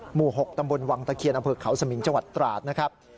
หมู่๖ตำบลวังตะเคียนอำภึกเขาสมิงจตราศน์นะครับ